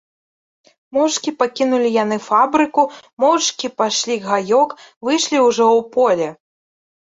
Моўчкі пакінулі яны фабрыку, моўчкі прайшлі гаёк, выйшлі ўжо ў поле.